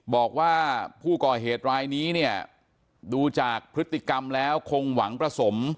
บอกว่าผู้ก่อเหตุรายนี้เนี่ยดูจากพฤติกรรมแล้วคงหวังประสม